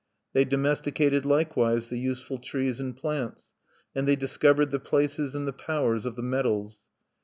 '_(1)" They domesticated likewise the useful trees and plants; and they discovered the places and the powers of the metals.